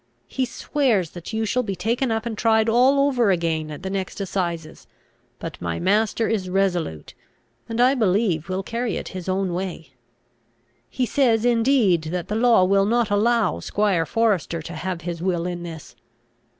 He swears that you shall be taken up and tried all over again at the next assizes; but my master is resolute, and I believe will carry it his own way. He says indeed that the law will not allow squire Forester to have his will in this.